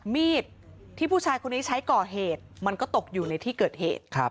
มีดที่ผู้ชายคนนี้ใช้ก่อเหตุมันก็ตกอยู่ในที่เกิดเหตุ